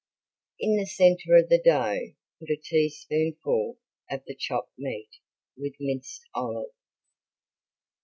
In the center of the dough put a teaspoonful of the chopped meat with minced olive.